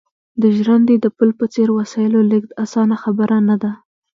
د ژرندې د پل په څېر وسایلو لېږد اسانه خبره نه ده